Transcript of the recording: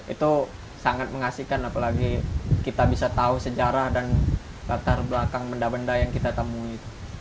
itu sangat mengasihkan apalagi kita bisa tahu sejarah dan latar belakang benda benda yang kita temui